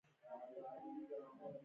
قوه سنج د قوې د اندازه کولو وسیله ده.